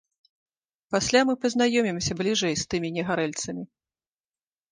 Пасля мы пазнаёмімся бліжэй з тымі негарэльцамі.